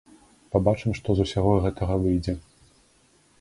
Пабачым, што з усяго гэтага выйдзе.